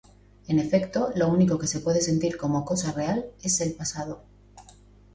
En efecto, lo único que se puede sentir como cosa real, es el pasado.